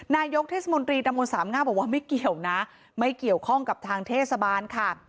นายกเทศมนตรีตำบลสามง่าบอกว่าไม่เกี่ยวนะไม่เกี่ยวข้องกับทางเทศบาลค่ะ